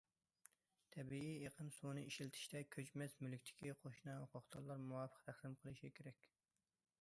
تەبىئىي ئېقىن سۇنى ئىشلىتىشتە، كۆچمەس مۈلۈكتىكى قوشنا ھوقۇقدارلار مۇۋاپىق تەقسىم قىلىشى كېرەك.